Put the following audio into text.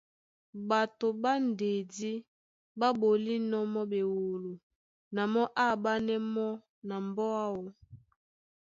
Ɓato ɓá ndedí ɓá ɓolínɔ̄ mɔ́ ɓewolo na mɔ́ á aɓánɛ́ mɔ́ na mbɔ́ áō.